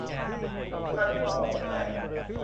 ขั้นบอสง่าย